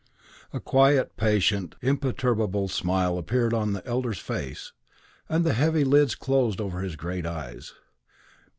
A quiet, patient, imperturbable smile appeared on the Elder's face and the heavy lids closed over his great eyes.